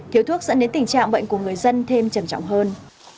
thiếu thuốc dẫn đến tình trạng bệnh của người dân thêm trầm trọng hơn